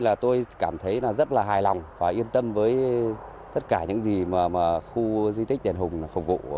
là tôi cảm thấy rất là hài lòng và yên tâm với tất cả những gì mà khu di tích đền hùng phục vụ